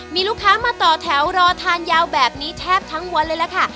มีลูกค้ามาต่อแถวรอทานยาวแบบนี้แทบทั้งวันเลยล่ะค่ะ